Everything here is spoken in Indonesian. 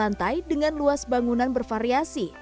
lantai dengan luas bangunan bervariasi